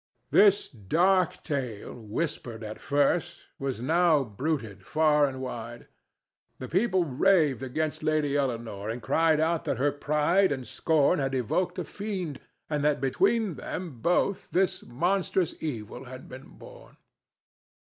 This dark tale, whispered at first, was now bruited far and wide. The people raved against the Lady Eleanore and cried out that her pride and scorn had evoked a fiend, and that between them both this monstrous evil had been born.